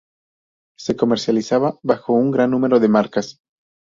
Se comercializa bajo un gran número de marcas.